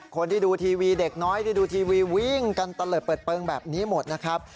คนที่ดูทีวีเด็กน้อยที่ดูทีวีวิ่งกันตะเลิดเปิดเปลืองแบบนี้หมดนะครับ